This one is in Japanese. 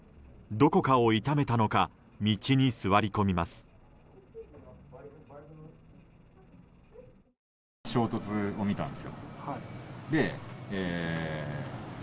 どこかを痛めたのか道に座り込みます。